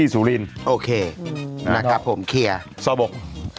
เสาบก